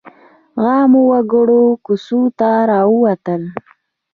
عامو وګړو کوڅو ته راووتل.